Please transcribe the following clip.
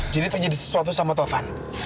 jadi terjadi sesuatu sama taufan